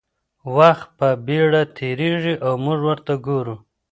وخت په بېړه تېرېږي او موږ ورته ګورو.